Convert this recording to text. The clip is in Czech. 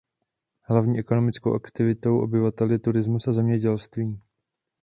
Hlavní ekonomickou aktivitou obyvatel je turismus a zemědělství.